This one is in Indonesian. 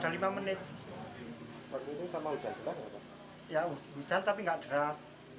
ya hujan tapi nggak deras